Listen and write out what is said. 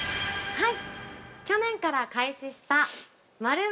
◆はい。